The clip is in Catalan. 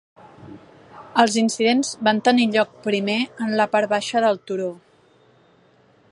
Els incidents van tenir lloc primer en la part baixa del turó.